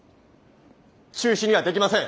中止にはできません。